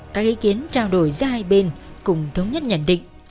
các ý kiến trao đổi giữa hai bên cùng thống nhất nhận định